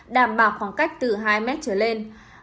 đảm bảo khoảng cách từ hai m trở lên